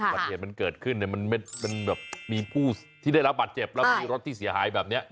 บัตรเหตุมันเกิดขึ้นมันมีผู้ที่ได้รับบัตรเจ็บแล้วมีรถที่เสียหายแบบเนี้ย